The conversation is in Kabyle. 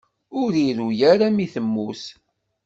Ur iru ara mi temmut.